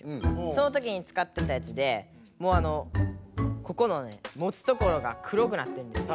そのときにつかってたやつでもうここのねもつところが黒くなってんですよ